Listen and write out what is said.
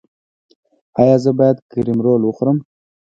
ایا زه باید کریم رول وخورم؟